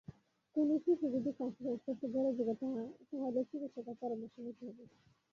কোনো শিশু যদি কাশি, শ্বাসকষ্ট, জ্বরে ভোগে, তাহলে চিকিত্সকের পরামর্শ নিতে হবে।